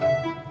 harus di bmw